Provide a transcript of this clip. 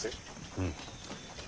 うん。